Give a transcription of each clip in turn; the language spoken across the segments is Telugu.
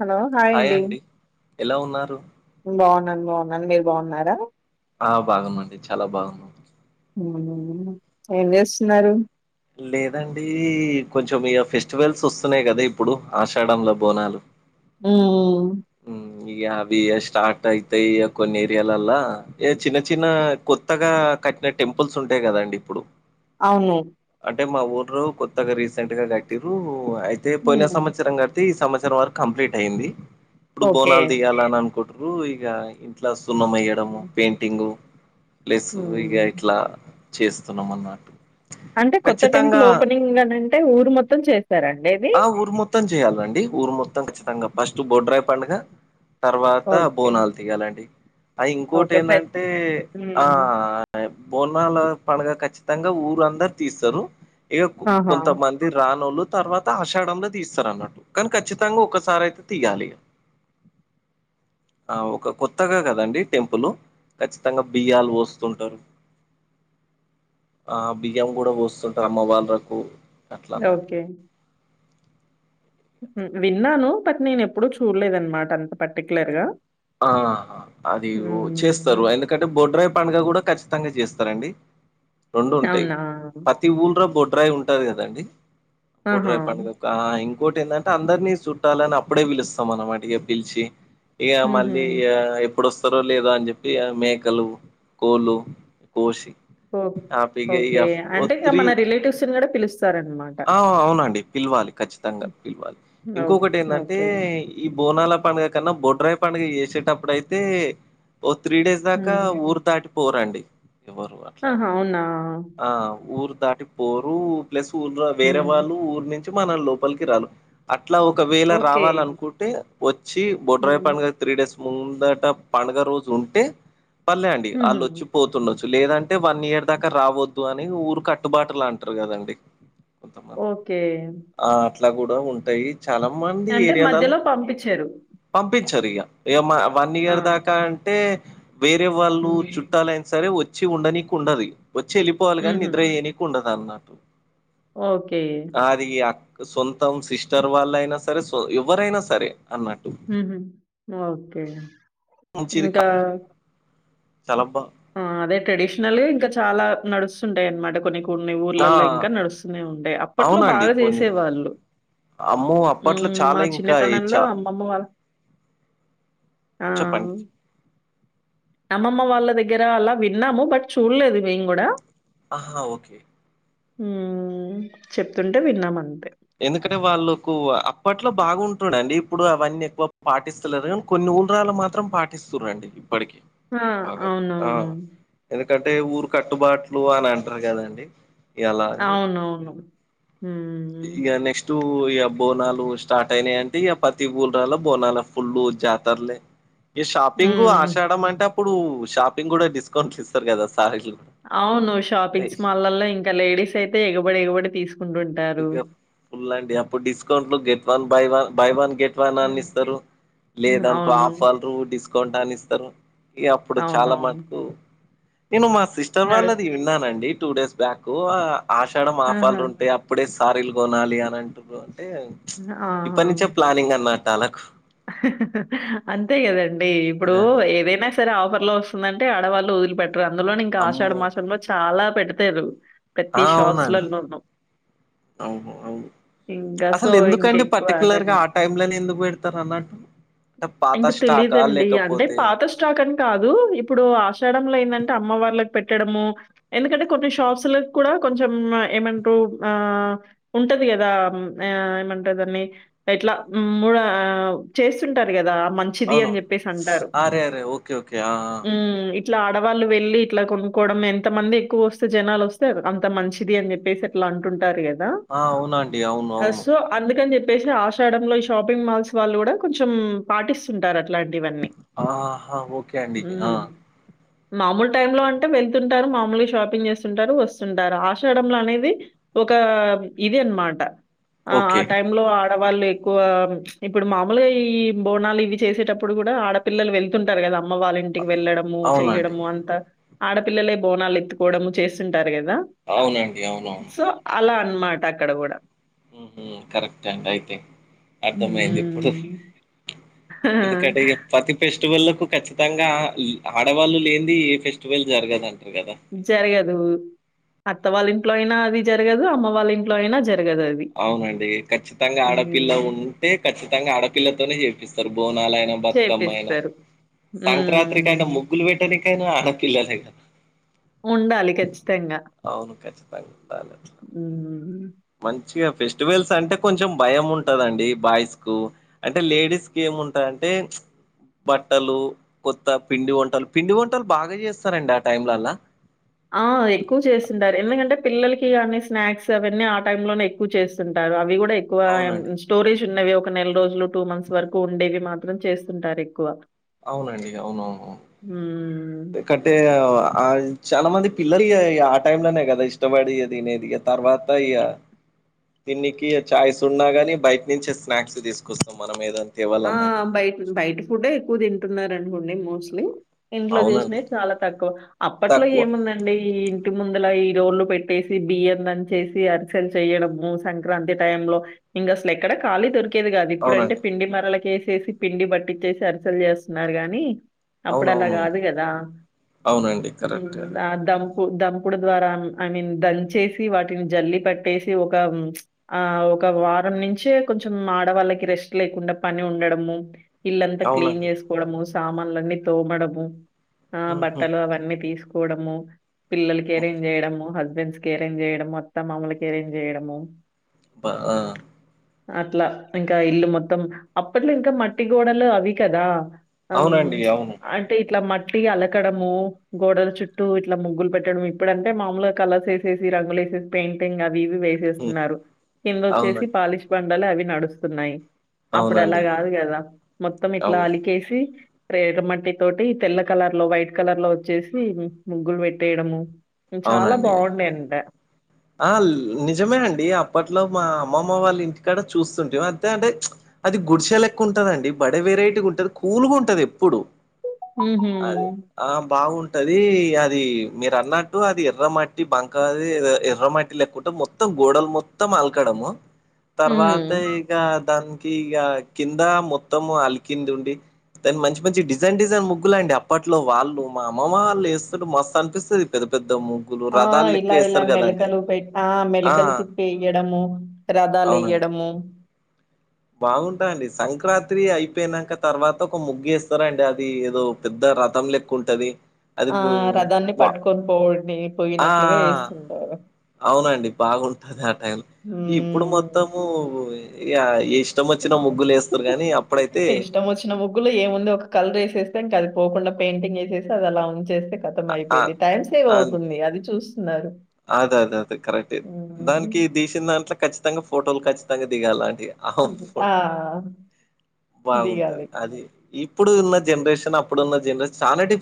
హలో హాయ్ అండి ఎలా ఉన్నారు బాగు ను బాగున్నాను మీరు బాగున్నారా ఆ బాగుంమండి చాలా బాగున్నం హ్మ్ ఏం చేస్తున్నారు లేదండి కొంచెం ఇక ఫెస్టివల్స్ వస్తున్నాయి కదా ఇప్పుడు ఆషాఢంలో బోనాలు ఉ ఆ ఈ అవిి స్టార్ట్ అయితే ఇ కొన్ ఏరియాాలల్ల ఏ చిన్న చిన్న కొత్తగా కటిిన టెంపుల్స్ ఉంటాయి కద అండి ఇప్పుడు అవును అంటే మా ఊర్ కొత్తగా రీసెంట్ గా కట్టిరు అయితే పోయిన హ్మ్ సంవత్సరం కడితే ఈ సంవత్సర వ కంప్లీట్ అయింది ఇప్పుడు ఓకే బోనాలు దియాలని అనుకుంట్రారు ఇ ఇంట్లో న్నం మయ్యడము పెయింటింగ్ ప్లస్ ఇగా హ్మ్ ఇట్లా చేస్తున్నాం అన్నమాట అంటే కొత్త టెంపుల్ ఖచ్చితంగా ఓపెనింగ్ ని అంటే ఊరు మొత్తం చేస్తారా ఆ ఊరు మొత్తం చె చేయాలండి ఊరు మొత్తం ఖచ్చితంగా ఫస్ట్ బొడ్రాయి పండుగ తర్వాత ఓకే బోనాలు తీిగాాలండి అది ఇంకోటి ఓకే ప్ర ఏంటంటే ఆ హ్మ్ బోనాల పడుగ ఖచ్చితంగా ఊరు అందరు తీస్తారు ఇక ఆహా కొంతమంది రానోళ్ళు తర్వాత ఆషాడంలో తీస్తారు అన్నట్టు కానీ ఖచ్చితంగా ఒక్కసారి అయితే తీయాలి [inaudible] ఆ ఒక కొత్తగా కదండి టెంపుల్ ఖచ్చితంగా బియ్యాల్ పోస్తుంటారు ఆ బియ్యం కూడా పోతుంటారు అమ్మ వాళ్ళకు ఓకే విన్నాను బట్ నేను ఎప్పుడూ చూడలేదనమాట అంత పర్టిక్యులర్ గా ఆ అది చేస్తారు హ్మ్ ఎందుకంటే బొడ్రాయి పండుగ కూడా కచ్చితంగా చేస్తారండి రెండు ఉంటాయి అవునా పతి ఊలు బొడు డ్రై ఉంటంది కదండి ఆహా బోడ్రై పండుగ ఒక ఇంకా ఇంకోటి ఏంటంటే అందరినీ చుట్టాలని అప్పుడే పిలుస్తాం అనమాట ఇక పిలిచి ఇక మళ్ళ మళ్ళీ ఊహూ ఎప్పుడుొస్తారో లేదా అని చెప్పి మేకలు కోళ్ళు కోసిి ఓ ఓకే అంటే ఇక మన రిలేటివ్స్ని కూడా పిలుస్త ఆ అవునండి పిలవాలి ఖచ్చితంగా పిలవాలి ఓ ఇంకొకటి ఏంటంటే ఓకే. ఈ బోనాల పండుగ కన్నా బొడ్రాయి పండుగ చేసేటప్పుడు అయితే ఓ త్రీ డేస్ దాకా హ్మ్. ఊరు దాటిపోరండి ఎవరు అట్లని ఆహా! అవునా? ఆ ఊరు దాటి పోరు ప్లస్ ఊరు వేరే హ్మ్. వాళ్ళు ఊరి నుంచి మన లోపలికి రారు అట్ల ఒకవేళ ఓకే. రావాలనుకుంటే వచ్చి బొడ్రై హ్మ్. పండుగ త్రీ డేస్ ముందట పండుగ రోజు ఉంటే పళ్లేె అండి హుహు. ఆల్లోచ్చి పోతుండ లేదంటే వన్ ఇయర్ దాక రవోద్దు అని ఊరు కట్టుబాటులు అంటారు కదండి ఓకే అట్ల కుడా ఉంటాయి చాలా మంది అంటే ఏరియాలలో మధ్యలో పంపిచ్చరు. పంపి సరిగా ఇక వన్ ఆ! ఇయర్ దాక అంటే వేరే వాళ్ళు హ్మ్. చుట్టాలయినా సరే ఒ వచ్చి ఉండనీకి ఉండదు వచ్చి వెళ్ళిపోవాలి కాగాని హుహు. నిద్ర చెయ్యనీకి ఉండదు అన్నట్టు ఓకే. ఆది సొంతం సిస్టర్ వాళ్ళయినా సరే ఎవ్వరైన సరే అన్నట్టు. ఓకే ఇంకా చలబ ఆ అదే ట్రెడిషనల్ ఇంక చాలా నడుస్తుంటాయి అనమాట కొన్ని కొ కొన్ని ఆ! ఊర్లలో ఇంక నడుస్తూనే ఉంటయి అప్పట్లో బాగ అవునండి. కొన్ని చేసే ఊర్లలో. వాళ్ళు అమ్మో! ఉ అప్పట్లో చాలా మ ఇంకా చిన్నతనంలో చ అమ్మమ్మ వ చెప్పండి అమ్మమ్మ వాళ్ళ దగ్గర అల విన్నాము బట్ చూడలేదు మేము కూడా ఆహా ఓకే ఉ చెప్తుంటే విన్నామం ఎందుకంటే వాళ్ళకు అప్పట్లో బాగుంటుండండి ఇప్పుడు అవన్నీ ఎక్కువ పాటిస్తలేరు కానీ కొన్ని [unintelligible] మాత్రం పాటిస్తుండి ఇప్పటికి ఆ! బాగ అవునవును. ఎందుకంటే ఊరు కట్టుబాట్లు అని అంటారు కదండి ఇయాల అని అవునవును హ్మ్. ఇగ నెక్స్టు ఇగా బోనాలు స్టార్ట్ అయినా అంటే ఇక పతి [unintelligible] బోనాల ఫుల్ జాతర్లే ఈ షాపింగ్ హ్మ్. ఆశాడం అంటే అప్పుడు షాపింగ్ కూడ డిస్కౌంట్లు ఇస్తారు కదా సార్ అవును షాపింగ్స్ మాల్లో ఇంకా లేడీస్ అయితే ఎగబడి ఎగబడి తీసుకుంటుంట ఇ ఫుల్ అండి అప్పుడు డిస్కౌంట్లు get one buy one buy one get అని హ్మ్. ఇస్తారు లేదన్కో అవును. ఆఫర్ లు డిస్కౌంట్ అని ఇస్తారు ఇగ అప్పుడు చాల అవునవును. మటుకు నేను మా సిస్టర్ నడు వాళ్ళది విన్నానండి టూ డేస్ బ్యాక్ ఆషాడ ఆహా! ఆఫాలరు ఉంటే అప్పుడే సారీలు కొనాలి అని అంటూరు అంటే ఇప్పటి నుంచే ఆహా! ప్లానింగ్ అన్నళ్కు అంతే కదండి ఇప్పుడు అదే అండి ఏదైన సరే ఆఫ ఇలో వస్తుందంటే ఆడవాళ్ళు వదిలి పెట్టారు అందులోనే ఇంకా అమ్మో ఆషాఢ మాసంలో చాల పెడతారు ఆ ప్రతి అవునండి షాప్స్లలోను అసలు ఎందుకండి పర్టిక్యలర్ గా ఆ టైమ్ లోనే ఎందుకు పెడత అన్నటు ఇంగ తెలిదండి అంటే పాత స్టాక్ అని కాదు ఇప్పుడు ఆషాడంలో ఏందంటే అమ్మ వాళ్ళ ఎందుకంటే కొన్ని షాప్స్ లోకి కూడ కొంచం ఏమంట్రు [unintelligible] కదా ఏమంటారు దాన్ని ఎట్ల మూడ చేస్తుంటారు కదా మంచిది అవును అని చెప్పేసి అంటారు అరే అరే ఓకే ఓకే ఆ ఆ ఇట్ల ఆడవాళ్ళు వెళ్ళలి ఇట్లా కొనుక్కోవడం ఎంత మంది ఎక్కువ వస్తే జనాలు వస్తే అంత మంచిది అని చెప్పేసి అట్ల అంటుంటారు కదా ఆ, అవునండి అవును అవును సో అందుకని [unintelligible] ఆషాడ లో ఈ షాపింగ్ మాల్స్ వాళ్ళు కూడ కొంచెం పాటిస్తుంటార ఇలాంటి వన్నీ ఆహా ఓకే అండి హు ఆ మామూలు టైమ్ లో అంటే వెళ్తుంటారు మామూలుగ షాపింగ్ చేస్తుంటారు వస్తుంటారు ఆశడంలో అనేది ఒక ఇది అనమాట ఆ ఆ ఓకే టై లో ఆడవాళ్ళు ఎక్కువ ఇప్పుడు మామలుగా ఈ బోనాలు ఇవి చేసేటప్పుడు కూడా ఆడపిల్లలు వెళ్తుంటారు కదా అమ్మ వాళ్ళ ఇంటికి వెళ్ళడము అవునండి చెయ్యడము అంతా ఆడపిల్లలే బోనాలు ఎత్తుకోవడము చేస్తుంటారు కదా అవునండి అవునవును సో అలా అన్నమాట అక్కడ కూడా కరెక్ట్ అండి అయితే అర్ధం అయ్యింది ఇప్పుడు హ్మ్. ఆ! ఎందుకంటే ప్రతి ఫెస్టివల్ లో ఖచ్చితంగా ఆడవాళ్లు లేని ఏ ఫెస్టివల్ జరగదండి జరగదు అత్త వాళ్ళ ఇంట్లో అయినా అది జరగదు అమ్మ వాళ్ళ ఇంట్లో అయినా జరగదు అవునండి ఖచ్చితంగా ఆడపిల్ల హ్మ్. ఉంటే ఖచ్చితంగా ఆడపిల్లతోనే చేపిస్తారు బో బోనాలు అయినా బతుకమ్మ అయినా చేపిస్తారు. సంక్రాంతి అయిన హ్మ్. ముగ్గులు పెట్టడానికి ఆడపిల్లనే ఉండాలి ఖచ్చితంగా అవును ఖచ్చితంగా ఉండాలి అట్లా ఊ మంచిగా ఫెస్టివల్స్ అంటే కొంచెం భయం ఉంటదండి బాయ్స్ కు అంటే లేడీస్ కి ఏముంటది ఏముంటది అంటే బట్టలు కొత్త పిండి వంటలు పిండి వంటలు బాగా చేస్తారండి ఆ టైంలల్లా ఆ ఎక్కువ చేస్తుంటారు ఎందుకంటే పిల్లలకి కానీ స్నాక్స్ అవన్నీ ఆ టైమ్ లోనే ఎక్కువ చేస్తుంటారు అవి కూడా ఎక్కువ అవునండి. స్టోరేజ్ ఉన్నవి ఒక నెల రోజులు టూ మంత్స్ వరకు ఉండేవి మాత్రం చేస్తుంటారు ఎక్కువ అవునండి అవునవును హ్మ్. కట్టే చాలా మంది పిల్లలు ఆ టైమ్ లోనే కదా ఇష్టపడి తినది ఇక తర్వాత ఇ దినికి చాయ్స్ ఉన్నా గాని బయట నుంచి స్నాక్స్ తీసుకొస్తాం మనం ఏదన ఆ బయ బయట ఫుడ్ ఎక్కువ తింటున్నారు అనుకోండి మోస్ట్లీ ఇంట్లో అవునండి. చేసినది చాలా తక్కువ అప్పట్లో తక్కువ. ఏముందండి ఈ ఇంటి ముందుల రోళ్లు పెట్టేసి బియ్యం దంచేసి అరిసెలు చెయడము సంక్రాంతి టైం లో ఇంక అసలు ఎక్కడ కాళీ దొరికితే ఉడికేది కాదు ఇప్పుడంటే అవునండి. పిండి మరలకేసేసి పిండి బట్టిచ్చేసి అరిసలు చేస్తున్నారు గాని అప్పుడు అలా అవునవును. కాదు కదా అవునండి. కరెక్టే అది. దం దంపుడు ద్వారా ఐ మీన్ దంచేసి వాటిని జల్లిపట్టేసి ఒక ఆ ఒక వారం నుంచే కొంచెం ఆడవాళ్ళకి రెస్ట్ లేకుండా పని ఉండడము ఇల్లంతా క్లీన్ అవునండి. చేసుకోవడము సామాన్లన్నీ తోమడము ఆ ఉహు బట్టలు అవన్నీ తీసుకోవడము పిల్లలకి ఏరేం చేయడము హస్బెండ్స్ క ఏరేం చేయడము అత్తం మామలకి ఏరేం చేయడము అబ్బా అట్లా ఇంకా ఇల్లు మొత్తం అప్పట్లో ఇంకా మట్టి గోడలు అవి కదా అ అవునండి అవును అంటే ఇట్లా మట్ మట్టి అలకడము గోడల చుట్టూ ఇట్లా ముగ్గులు పెట్టడంము ఇప్పుడు అంటే మామూలుగా కలర్స్ వేసేసి రంగులు వేసేసి పెయింటింగ్ అవి ఇవి వ హ్మ్. వేసేస్తున్నారు కింద అవును వచ్చేసి పాలిష్ బండలే అవి నడుస్తున్నాయి అప్పుడు అలా అవునండి కాదు కదా మొత్తం ఇట్లా అవు అలికేసి ఎర్ర మట్టి తోటి తెల్ల కలర్ లో వైట్ కలర్ లో వచ్చేసి ముగ్గులు పెట్టేడము చాలా అవునండి బాగుండే నంట ఆ నిజమే అండి అప్పట్లో మా అమ్మమ్మ వాళ్ళ ఇంటికాడ చూస్తుంటేం అంతే అంటే చ్ అది గుడిసె లెక్క ఉంటందండి బడ వెరైటీగా ఉంటది కూలుగా ఉంటది ఎప్పుడు హుహు. అదే ఆ బాగుంటది అది మీరు అన్నట్టు అది ఎర్ర మట్టి మట్టి బంకాది ఎర్ర మట్టి లెక్క ఉంటది మొత్తం గోడలు మొత్తం ఆలకడము తర్వాత హ్మ్. ఇగ దానికి ఇగ కింద మొత్తం అలికింది ఉండి దాని మంచి మంచి డిజైన్ డిజైన్ ముగ్గులు అండి అప్పట్లో వాళ్ళు మా అమ్మమ్మ వాళ్ళేస్తుండు మస్తు అనిపిస్తది పెద్ద పె ద్ద ముగ్గులు రథాలు లెక్క ఏస్తారు కదండి ఉ పై ఆ మెలికలు తిప్పి ఎయ్యడము రథాలు అవునండి ఎయ్యడము బాగుంటాయండి సంక్రాంతైరా అయిపోయినాక తర్వాత ఒక ముగ్గేస్తారండి అది ఏదో పెద్ద రథం లెక్కుంటది ఆ రథాన్ని పట్టుకొని పోడిని ఆ పొయ్యినట్లుగా ఏస్తుంటారు అవునండి బాగుంటది ఆ టైం ఇప్పుడు హ్మ్. మొత్తము ఇగ ఏ ఇష్టమచ్చిన ముగ్గులేస్తరు గానీ అప్పుడైతే ఇష్టమొచ్చిన ముగ్గులో ఏముంది ఒక కలరేసేస్తే అది పోకుండా పెయింటింగ్ ఏసేస్తే అది అలా ఉంచేస్తే ఖతం ఆ అయిపోయిద్ది టైం సేవ్ ఐతుంది అది చూస్ అది అది అది కరెక్ట్ హ్మ్. దానికి దీషిన దాంట్లో ఖచ్చితంగా ఫోటోలు ఖచ్చితంగా దిగాలి ఆంటిగ ఆ! [unintelligible] బాగుంటాది దిగాలి. అది ఇప్పుడు ఉన్న జనరేషన్ అప్పుడున్న జనరేషన్ చానా డి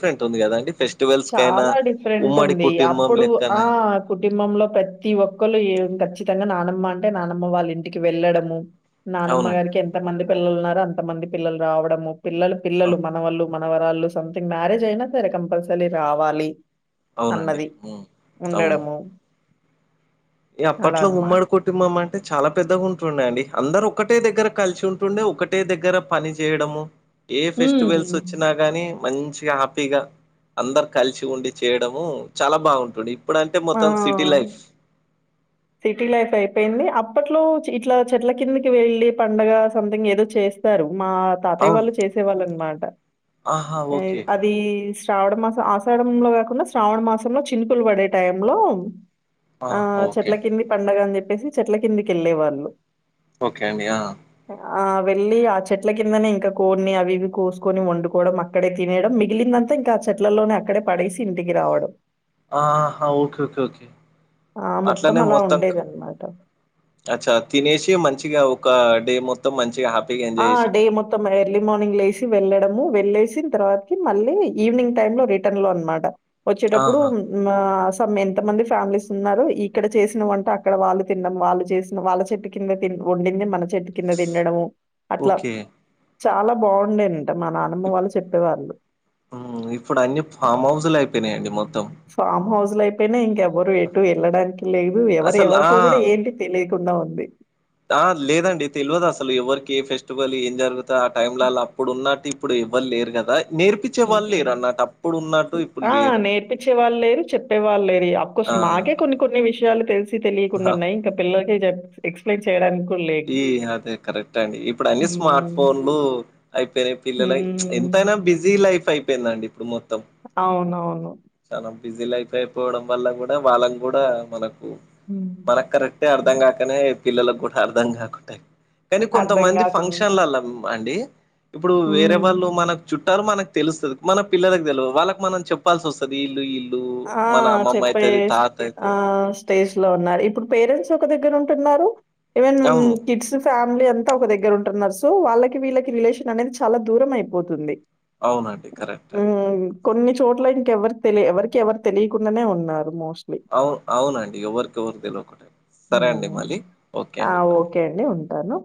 చాలా డిఫరెంట్ ఉమ్మడి ఉంది కుటుంబం అప్పుడు ఆ లెక్కనే కుటుంబంలో ప్రతి ఒక్కళ్ళూ ఏం ఖచ్చితంగా నానమ్మ అంటే నానమ్మ వాళ్ళ ఇంటికి వెళ్ళడము అవునండి నానమ్మగారికి ఎంతమంది పిల్లలు ఉన్నారో అంతమంది పిల్లలు రావడము పిల్లలు పిల్లలు అవ్ మనవళ్ళు మనవరాళ్ళు సంథింగ్ మ్యారేజ్ అయినా సరే కంపల్సలీ రావాలి అవునండి అన్నది హ్మ్. అవును ఉండడము అలా అప్పట్లో అన్నమాట. ఉమ్మడి కుటుంభమం టే చాలా పెద్దగా ఉంటుండే అండి అందరూ ఒకటే దగ్గర కలిసి ఉంటుండే ఒకటే దగ్గర పని చేయడము ఏ ఫెస్టివల్స్ హ్మ్. వచ్చినా గానీ మంచిగా హ్యాపీగా అందరు కలిసి ఉండి చేయడము చాలా బావుంటుండి ఇప్పుడంటే ఆ! మొత్తం సిటీ లైఫ్ సిటీ లైఫ్ అయిపోయింది అప్పట్లో ఇట్లా చెట్ల కిందికి వెళ్ళి పండగ సంథింగ్ ఏదో చే చేస్తారు మా తాతయ్య అవును. వాళ్ళు చేసే వాళ్ళనమాట ఆహా! ఏ ఓకే. అది శ్రావణ మాసం ఆషాడంలో కాకుండా శ్రావణ మాసంలో చినుపులు పడే టైం లో ఆ ఓకే చెట్ల అండి. కింది పండగ అని చెప్పేసి చెట్ల కిందికెళ్ళే వాళ్ళు ఓకే అండి ఆ ఆ వెళ్ళి ఆ చెట్ల కిందనే ఇంకా కోడిని అవి ఇవి కోసుకొని వండుకోవడం అక్కడే తినేయడం మిగిలిందం తా ఇంకా ఆ చెట్లల్లోనే అక్కడే పడేసి ఇంటికి రావడం ఆహా ఓకే ఓకే ఓకే ఆ అట్లనే అలా మొత్తం క్ ఉండేదన్నమాట అచ్చా తినేసి మంచిగా ఒక డే మొత్తం మంచిగా హా ఆ డే మొత్తం ఎర్లీ మార్నింగ్ లేసి వెళ్ళడము వె వెళ్ళేసిన తరవాతికి మళ్ళీ ఈవినింగ్ టైం లో రిటన్ లో అన్నమాట వచ్చేటప్పుడు ఆహా! ఉం ఆస్ త్తం ఎంత మంది ఫ్యామిలీస్ ఉన్నారు ఇక్కడ చేసిన వంట అక్కడ వాళ్ళు తినడం వాళ్ళు చేసిన వాళ్ళ చెట్టు కింద తిన్ వండింది మన చెట్టు కింద తిండడము ఓకే చాలా బావుండేనంట మా నానమ్మ వాళ్ళు చెప్పేవాళ్ళు ఉమ్ ఇప్పుడు అన్నీ ఫామ్ హౌస్ లు అయిపోయినాయండి మొత్తం ఫామ్ హౌస్ లు అయిపోయినాయి ఇంకెవరూ ఎటూ ఎళ్ళడానికి లేదు ఎవరు అసలు ఆ ఎవరికో కూడా ఏంటి తెలీ కుండా ఉంది ఆ లేదండి తెల్వదు అసలు ఎవరికి ఏ ఫెస్టివల్ ఏం జరుగుతా ఆ టైమ్ లలో అ అప్పుడు ఉన్నాటి ఇప్పుడు ఎవ్వరు లేరు గదా నేర్పిచ్చే వాళ్ళు లేరు అన్నట్టు అప్పుడు ఉన్నట్టు ఇప్పుడు ఆ లేరు నేర్పిచ్చే వాళ్ళు లేరు చెప్పే వాళ్ళు లేరు ఇగ అఫ్కోర్స్ ఆ మాకే కొన్ని కొన్ని విషయాలు తెలిసి తెలియకుండున్నాయి ఇంక పిల్లలకి చెప్ ఎక్స్ప్లెయిన్ చెయ్యడానికి ఈ అదే కరెక్ట్ అండి ఇప్పుడు అన్ని స్మార్ట్ హ్మ్. ఫోన్లు అయిపోయినాయి పిల్లలై ఎంత హ్మ్. తైన బిజీ లైఫ్ అయిపోయిందండి ఇప్పుడు మో అవునవును చానా బిజీ లైఫ్ అయిపోవడం వల్ల కూడా వాళ్ళకు కూడా మనకు హ్మ్. మనకు కరెక్టే అర్థం హ్మ్. కాకనే పిల్లలకు కూడా అర్ధం కాకుడాయి కానీ అర్థం కొంతమంది కాకుండా. ఫంక్షన్లల అండి ఇప్పుడు వేరే హ్మ్. వాళ్ళు మనకు చు మనకు తెలుస్తుంది మన పిల్లలకు తెలువదు వాళ్ళకి మనం చెప్పాల్సి వస్తది ఇల్లు ఇల్లు ఆ చెప్పే ఆ అయితది స్టేజ్ లో ఉన్నారు ఇప్పుడు పేరెంట్స్ ఒక దగ్గర ఉంటున్నారు ఈవెన్ అవును కిడ్స్ ఫ ఫ్యామిలీ అంతా ఒక దగ్గర ఉంటున్నారు సో వాళ్ళకి వీళ్ళకి రిలేషన్ అనేది చాలా దూరం అయిపోతుంది అవునండి కరెక్ట్ హ్మ్. కొన్ని చోట్ల ఇంకెవరి తెలి ఎవరికి ఎవరు తెలియకుండానే ఉన్నారు మో అవును అవునండి ఎవరికి ఎవరు తెలవాకుండై సరే అండి మళ్ళీ ఓకే అండి బాయ్ అంటను